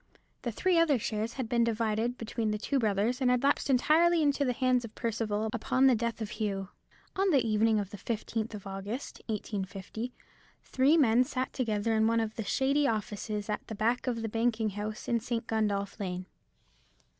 The three other shares had been divided between the two brothers, and had lapsed entirely into the hands of Percival upon the death of Hugh. On the evening of the 15th of August, 1850, three men sat together in one of the shady offices at the back of the banking house in St. Gundolph Lane.